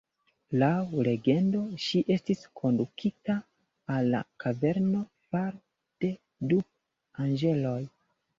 Laŭ legendo ŝi estis kondukita al la kaverno fare de du anĝeloj.